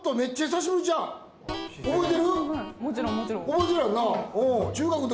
覚えてるやんな。